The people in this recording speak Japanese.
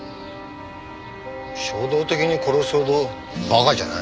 衝動的に殺すほど馬鹿じゃない。